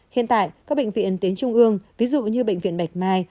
hiện tại các bệnh viện tuyến trung ương ví dụ như bệnh viện bạch mai